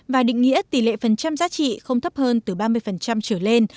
và định nghĩa tỷ lệ phần trăm giá trị không thấp hơn từ ba mươi trở lên